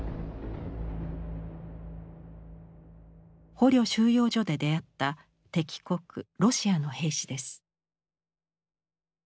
捕虜収容所で出会った敵国ロシアの兵士です。